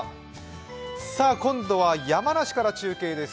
今度は山梨から中継です。